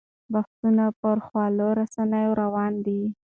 بحثونه پر خواله رسنیو روان دي.